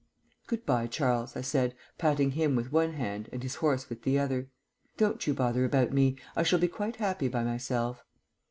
"Good bye, Charles," I said, patting him with one hand and his horse with the other. "Don't you bother about me. I shall be quite happy by myself."